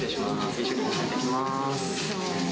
一緒にやっていきます。